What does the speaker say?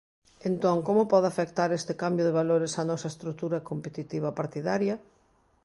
Entón, como pode afectar este cambio de valores á nosa estrutura competitiva partidaria?